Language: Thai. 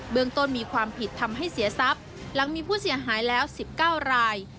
เมืองต้นมีความผิดทำให้เสียทรัพย์หลังมีผู้เสียหายแล้ว๑๙ราย